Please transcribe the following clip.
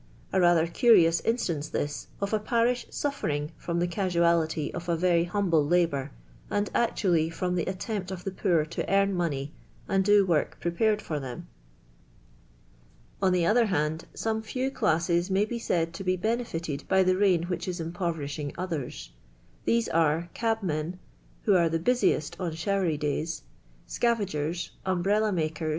A rather curious in.sUmce thi?, of a parish 8utfiTi::,{ from tlie casualty of a very humble lahioir. and actually from tlie attempt cf the poor to <'arn money, and d i work pn pared f«»r them. On ilie other hind, >ome few classes may be Slid to h' liMH iited by the rain which is im jM)v»'ri !iin;f iith' r. *: these are cabmen (who are the l.ii :"Si on ah^i.r. y,/ days), scavairers, umhrella mak I